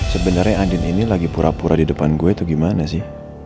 sebenarnya andin ini lagi pura pura di depan gue atau gimana sih